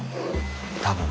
多分。